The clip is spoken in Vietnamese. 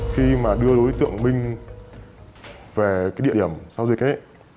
khi mà đưa đối tượng minh về cái địa điểm sau dịch ấy